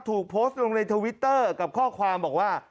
ถูกโพสต์ลงในทวิตเตอร์กับข้อความบอกว่า